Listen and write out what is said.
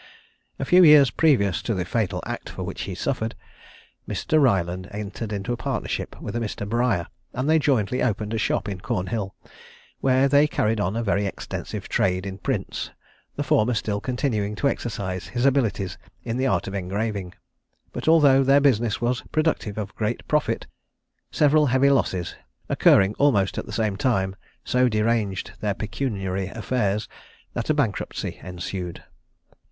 A few years previous to the fatal act for which he suffered, Mr. Ryland entered into partnership with a Mr. Bryer, and they jointly opened a shop in Cornhill, where they carried on a very extensive trade in prints; the former still continuing to exercise his abilities in the art of engraving. But although their business was productive of great profit, several heavy losses, occurring almost at the same time, so deranged their pecuniary affairs, that a bankruptcy ensued.